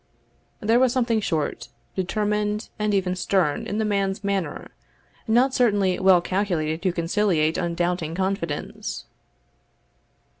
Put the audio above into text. There was something short, determined, and even stern, in the man's manner, not certainly well calculated to conciliate undoubting confidence.